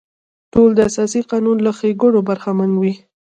ټول د اساسي قانون له ښېګڼو برخمن وي.